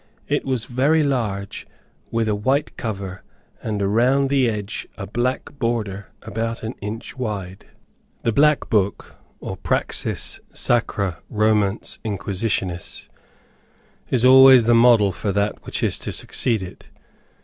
It was very large, with a white cover, and around the edge a black border about an inch wide. [Footnote: "The Black Book, or Praxis Sacra Romance Inquisitionis, is always the model for that which is to succeed it.